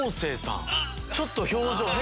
ちょっと表情が。